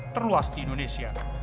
terluas di indonesia